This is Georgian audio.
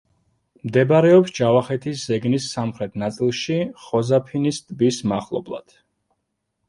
მდებარეობს ჯავახეთის ზეგნის სამხრეთ ნაწილში, ხოზაფინის ტბის მახლობლად.